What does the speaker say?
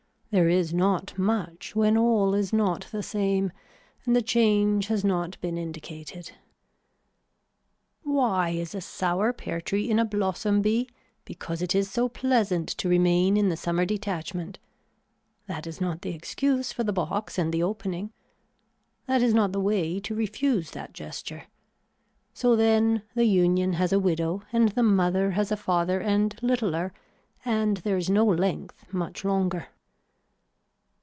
There is not much when all is not the same and the change has not been indicated. Why is a sour pear tree in a blossom bee, because it is so pleasant to remain in the summer detachment. That is not the excuse for the box and the opening. That is not the way to refuse that gesture. So then the union has a widow and the mother has a father and littler and there is no length much longer.